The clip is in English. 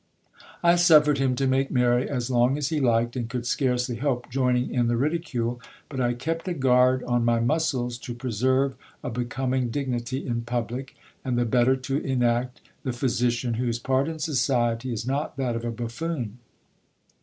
I suffered him to make merry as long as he liked, and could scarcely help joining in the ridicule ; but I kept a guard on my muscles to preserve a becoming dignity in public, and the better to enact the physician, whose part in society is not that of a buffoon.